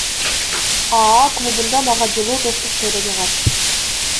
АА клубунда мага жылуу достук чөйрө жагат.